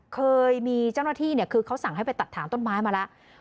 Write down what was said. เคยมีเจ้าหน้าที่เนี่ยคือเขาสั่งให้ไปตัดถ่างต้นไม้มาแล้ว